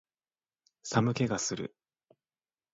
寒気がする